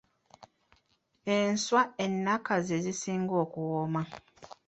Enswa ennaka ze zisinga okuwooma.